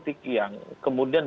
partai politik yang kemudian